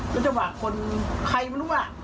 ในระจะหวังคนใครมันรู้อ่ะ